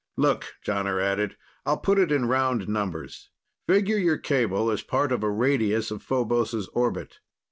"Look," Jonner added, "I'll put it in round numbers. Figure your cable as part of a radius of Phobos' orbit.